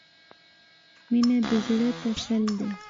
• مینه د زړۀ تسل دی.